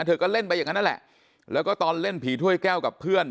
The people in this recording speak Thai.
เธอก็เล่นไปอย่างนั้นนั่นแหละแล้วก็ตอนเล่นผีถ้วยแก้วกับเพื่อน